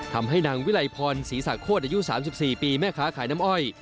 ทำให้นางวิลัยพรศรีสะโคตรอายุ๓๔ปีแม่ค้าขายน้ำอ้อย